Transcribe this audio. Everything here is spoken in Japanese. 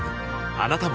あなたも